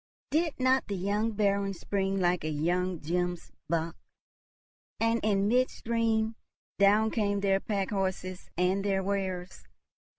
did not the young Baron spring like a young gemsbock? And in midstream down came their pack horses and their wares!